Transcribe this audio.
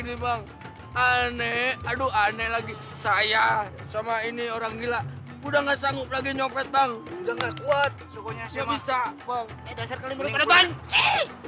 tidak ada orang yang membunuh diri